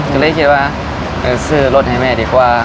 ฉันเลยคิดว่าโอเคสื้อรถให้แม่ดีกว่า